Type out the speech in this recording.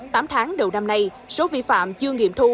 tám tháng đầu năm nay số vi phạm chưa nghiệm thu